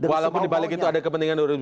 walaupun di balik itu ada kepentingan dulu